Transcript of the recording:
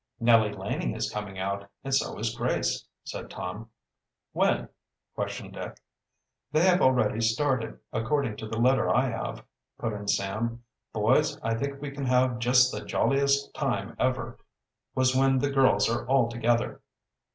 "Nellie Laning is coming out, and so is Grace," said Tom. "When?" questioned Dick. "They have already started, according to the letter I have," put in Sam. "Boys, I think we can have just the jolliest time ever was when the girls are all together."